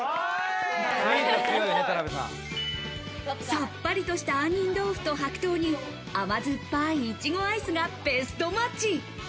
さっぱりとしたアンニンドウフと白桃に、甘酸っぱいいちごアイスがベストマッチ。